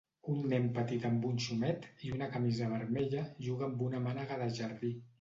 Un nen petit amb un xumet i una camisa vermella juga amb una mànega de jardí.